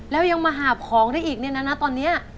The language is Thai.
แล้วยังมาหาบของได้อีกเนี่ยนะตอนนี้